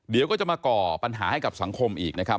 เดี๋ยวก็จะมาก่อปัญหาให้กับสังคมอีกนะครับ